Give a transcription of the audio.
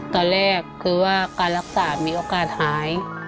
ตอนแรกคือว่าการรักษามีโอกาสหาย